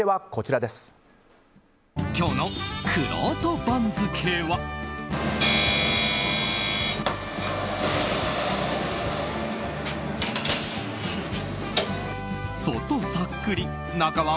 今日のくろうと番付は。